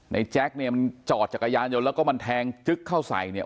แจ๊คเนี่ยมันจอดจักรยานยนต์แล้วก็มันแทงจึ๊กเข้าใส่เนี่ย